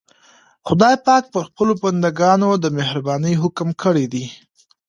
خدای پاک پر خپلو بندګانو د مهربانۍ حکم کړی دی.